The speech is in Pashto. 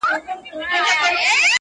هم د لاس هم يې د سترگي نعمت هېر وو!!